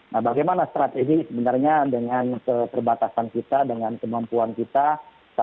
nah bagaimana strategi sebenarnya dengan keterbatasan kita dengan kemampuan kita